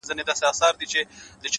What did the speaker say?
او د بت سترگي يې ښې ور اب پاشي کړې ـ